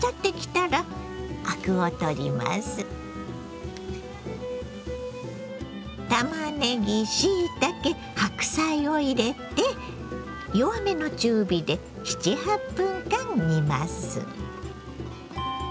たまねぎしいたけ白菜を入れて弱めの中火で７８分間煮ます。